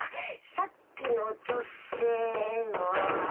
さっきの女性は。